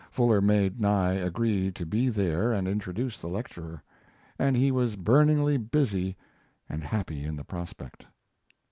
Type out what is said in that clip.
Fuller made Nye agree to be there and introduce the lecturer, and he was burningly busy and happy in the prospect.